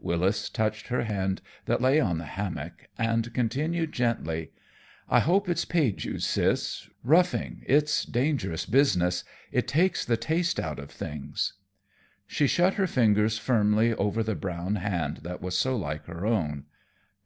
Wyllis touched her hand that lay on the hammock and continued gently: "I hope it's paid you, Sis. Roughing it's dangerous business; it takes the taste out of things." She shut her fingers firmly over the brown hand that was so like her own.